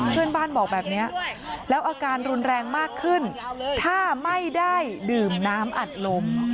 เพื่อนบ้านบอกแบบนี้แล้วอาการรุนแรงมากขึ้นถ้าไม่ได้ดื่มน้ำอัดลม